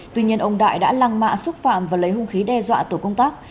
tuy nhiên ông đại đã lăng mạ xúc phạm và lấy hung khí đe dọa tổ công tác